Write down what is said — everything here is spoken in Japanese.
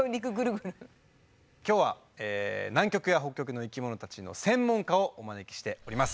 今日はえ南極や北極の生きものたちの専門家をお招きしております！